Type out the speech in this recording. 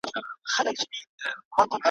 بس یو امید دی لا راته پاته ,